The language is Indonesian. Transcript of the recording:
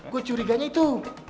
gua curiganya itu